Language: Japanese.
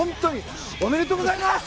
おめでとうございます！